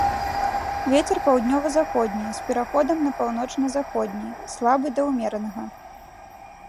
Вецер паўднёва-заходні, з пераходам на паўночна-заходні, слабы да ўмеранага.